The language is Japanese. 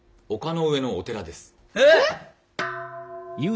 えっ！？